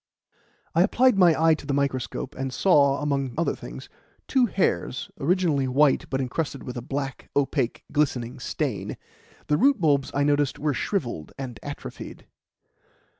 I applied my eye to the microscope, and saw, among other things, two hairs originally white, but encrusted with a black, opaque, glistening stain. The root bulbs, I noticed, were shrivelled and atrophied.